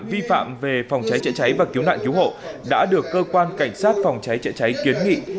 vi phạm về phòng cháy chữa cháy và cứu nạn cứu hộ đã được cơ quan cảnh sát phòng cháy chữa cháy kiến nghị